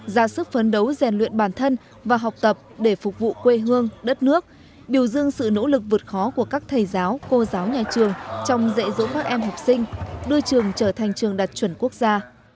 ra sức phấn đấu rèn luyện bản thân và học tập để phục vụ quê hương đất nước biểu dương sự nỗ lực vượt khó của các thầy giáo cô giáo nhà trường trong dạy dỗ các em học sinh đưa trường trở thành trường đạt chuẩn quốc gia